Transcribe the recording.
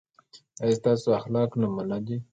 ایا ستاسو اخلاق نمونه دي؟